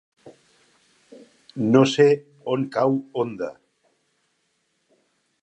No sé on cau Onda.